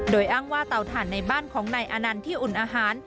โดยอ้างว่าเตาถ่านในบ้านของนายอานันต์ที่อุ่นอาหาร